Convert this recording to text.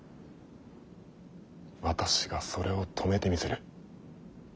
私がそれを止めてみせる。